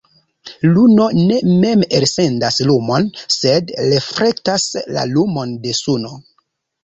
Luno ne mem elsendas lumon, sed reflektas la lumon de Suno.